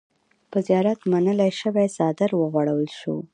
په زيارت منلے شوے څادر اوغوړولے شو۔